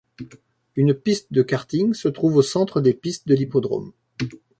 Une piste de karting se trouve au centre des pistes de l'hippodrome.